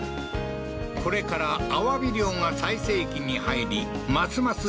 これからアワビ漁が最盛期に入りますます